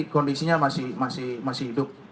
kondisinya masih hidup